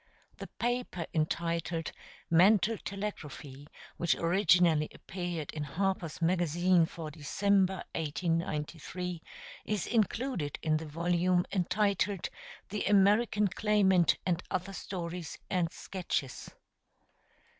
[The paper entitled "Mental Telegraphy," which originally appeared in Harper's Magazine for December, 1893, is included in the volume entitled The American Claimant and Other Stories and Sketches.